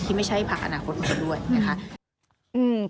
ที่ไม่ใช่ภาคอนาคตของเขาด้วยนะคะ